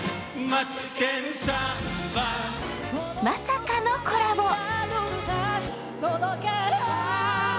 まさかのコラボ。